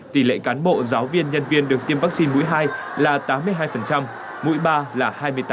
tỷ lệ cán bộ giáo viên nhân viên được tiêm vắc xin mũi hai là tám mươi hai mũi ba là hai mươi tám hai